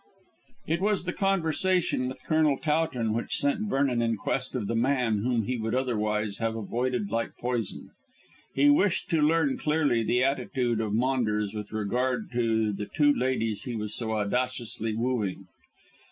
It was the conversation with Colonel Towton which sent Vernon in quest of the man whom he would otherwise have avoided like poison. He wished to learn clearly the attitude of Maunders with regard to the two ladies he was so audaciously wooing.